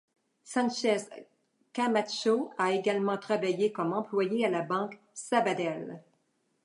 Sánchez-Camacho a également travaillé comme employée à la banque Sabadell.